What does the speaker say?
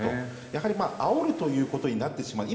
やはりあおるということになってしまう。